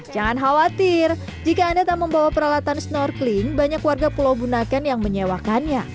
jangan khawatir jika anda tak membawa peralatan snorkeling banyak warga pulau bunaken yang menyewakannya